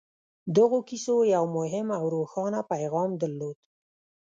دغو کيسو يو مهم او روښانه پيغام درلود.